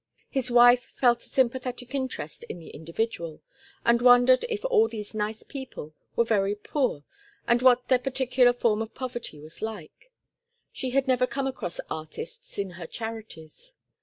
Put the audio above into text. His wife felt a sympathetic interest in the individual, and wondered if all these nice people were very poor and what their particular form of poverty was like; she had never come across artists in her charities.